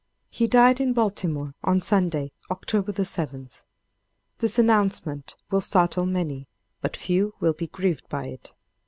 He died in Baltimore on Sunday, October 7th. This announcement will startle many, but few will be grieved by it.